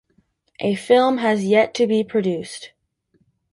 A film has yet to be produced.